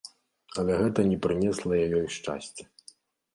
Але гэта не прынесла ёй шчасця.